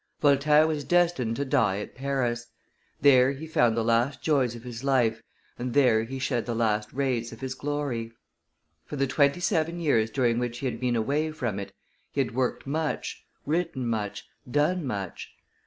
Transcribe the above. Voltaire was destined to die at Paris; there he found the last joys of his life and there he shed the last rays of his glory. For the twenty seven years during which he had been away from it he had worked much, written much, done much.